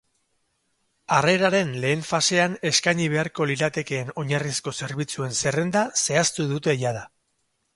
Harreraren lehen fasean eskaini beharko liratekeen oinarrizko zerbitzuen zerrenda zehaztu dute jada.